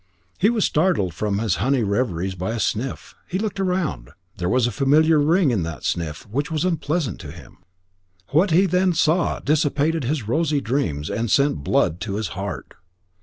He was startled from his honey reveries by a sniff. He looked round. There was a familiar ring in that sniff which was unpleasant to him. What he then saw dissipated his rosy dreams, and sent his blood to his heart.